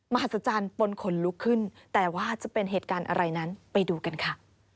หัศจรรย์ปนขนลุกขึ้นแต่ว่าจะเป็นเหตุการณ์อะไรนั้นไปดูกันค่ะ